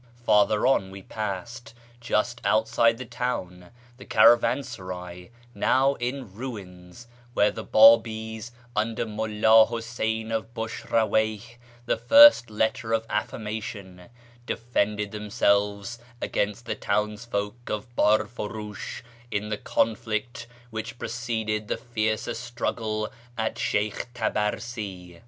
Farther on we passed, just outside the town, the caravansaray (now in ruins) where the Bdbi's under ]\lullu Huseyn of Bushraweyh, " the First Letter of Affirmation," defended themselves against the townsfolk of Barfunish in the conflict which preceded the fiercer struggle at Sheykh Tabarsi.